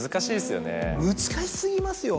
難し過ぎますよ。